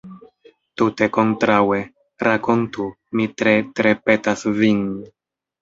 Tute kontraŭe; rakontu, mi tre, tre petas vin.